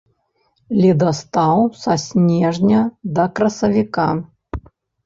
Ледастаў са снежня да красавіка.